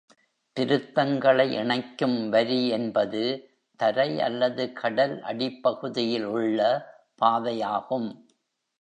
திருத்தங்களை இணைக்கும் வரி என்பது தரை அல்லது கடல் அடிப்பகுதியில் உள்ள பாதையாகும்.